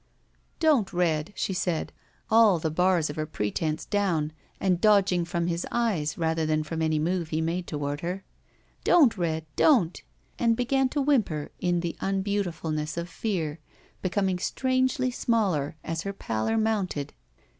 ''Don't, Red," she said, all the bars of her pre tense' down and dodging from his eyes rather than from any move he made toward her. "Don't, Red. Don't!" And b^an to whimper in the unbeauti fulness of fear, becoming strangely smaller as her pallor mounted.